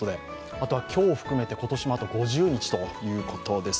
あとは今日を含めて今年もあと５０日ということです。